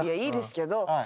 いいですけど。